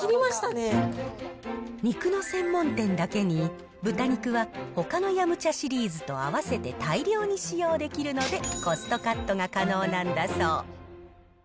肉の専門店だけに、豚肉はほかの飲茶シリーズと合わせて大量に使用できるので、コストカットが可能なんだそう。